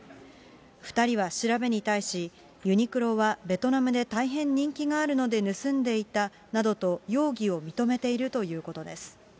２人は調べに対し、ユニクロはベトナムで大変人気があるので、盗んでいたなどと、容疑を認めているということです。